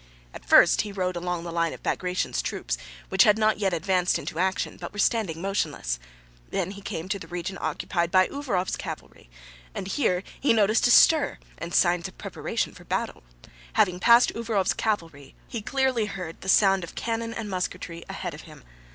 At first he rode along the line of Bagratión's troops, which had not yet advanced into action but were standing motionless; then he came to the region occupied by Uvárov's cavalry and here he noticed a stir and signs of preparation for battle; having passed Uvárov's cavalry he clearly heard the sound of cannon and musketry ahead of him.